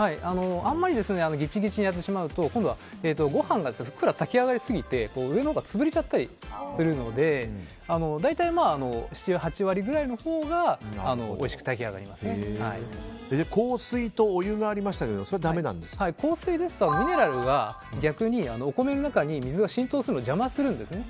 あまりギチギチにやってしまうとご飯がふっくら炊けすぎて上のほうが潰れちゃったりするので大体７８割ぐらいのほうが硬水とお湯がありましたけど硬水ですとミネラルでお米の中に水が浸透するのを邪魔するんですね。